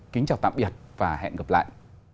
kính chào tạm biệt và hẹn gặp lại